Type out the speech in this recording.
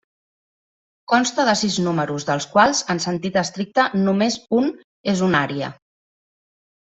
Consta de sis números, dels quals, en sentit estricte, només un és una ària.